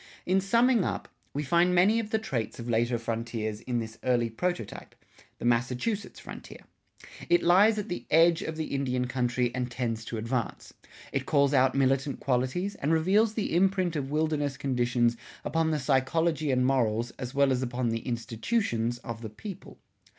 In summing up, we find many of the traits of later frontiers in this early prototype, the Massachusetts frontier. It lies at the edge of the Indian country and tends to advance. It calls out militant qualities and reveals the imprint of wilderness conditions upon the psychology and morals as well as upon the institutions of the people.